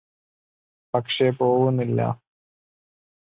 പക്ഷെ പോവുന്നില്ല